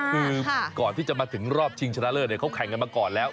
คือก่อนที่จะมาถึงรอบชิงชนะเลิศเขาแข่งกันมาก่อนแล้ว